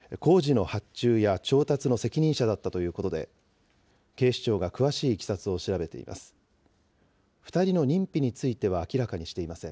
元課長は当時、工事の発注や調達の責任者だったということで、警視庁が詳しいいきさつを調べています。